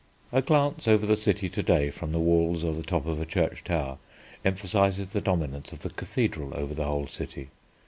A glance over the city to day from the Walls or the top of a church tower emphasises the dominance of the cathedral over the whole city.